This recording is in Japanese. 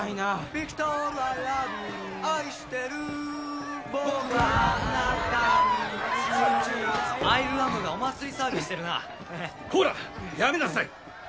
ビクトールアイラブユー愛してる僕はあなたに夢中だよアイルランドがお祭り騒ぎしてるなこらやめなさい！